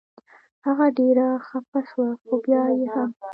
هغه ډېره خفه شوه خو بیا یې هم.